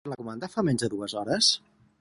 Ha realitzat la comanda fa menys de dues hores?